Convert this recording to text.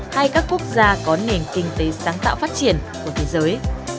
hay các quốc gia có nền kinh tế sáng tạo phát triển của thế giới